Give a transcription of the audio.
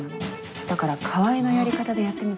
だから川合のやり方でやってみて。